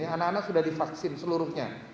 anak anak sudah divaksin seluruhnya